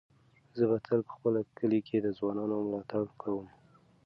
زه به تل په خپل کلي کې د ځوانانو ملاتړ کوم.